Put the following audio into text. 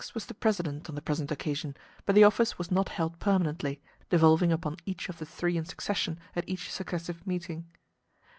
X was the president on the present occasion, but the office was not held permanently, devolving upon each of the three in succession at each successive meeting.